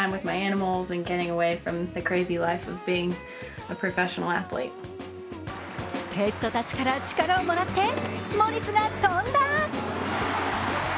ペットたちから力をもらって、モリスが飛んだ。